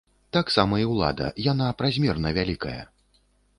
Так сама і ўлада, яна празмерна вялікая.